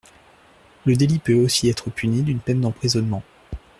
Le délit peut aussi être puni d’une peine d’emprisonnement.